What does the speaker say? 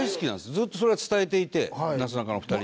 ずっとそれは伝えていてなすなかの２人にも。